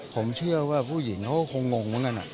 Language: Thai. ผมเชื่อว่าผู้หญิงเขาก็คงงเหมือนกัน